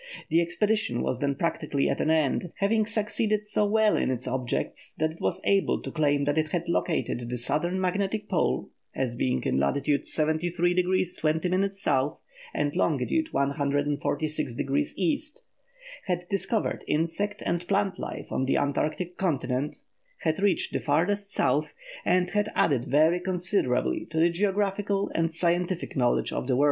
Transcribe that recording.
The expedition was then practically at an end, having succeeded so well in its objects that it was able to claim that it had located the Southern Magnetic Pole as being in latitude 73° 20' S. and longitude 146° E.; had discovered insect and plant life on the Antarctic continent; had reached the farthest South, and had added very considerably to the geographical and scientific knowledge of the world.